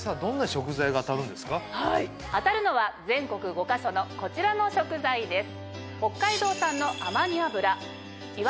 当たるのは全国５か所のこちらの食材です。